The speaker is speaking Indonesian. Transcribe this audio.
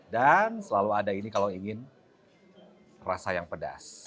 dan selalu ada ini kalau ingin rasa yang pedas